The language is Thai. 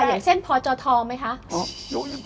อย่างเช่นพจทไหมคะ